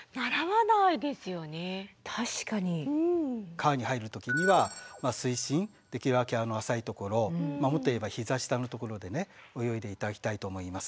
川に入る時には水深できるだけ浅いところもっと言えばひざ下のところで泳いで頂きたいと思います。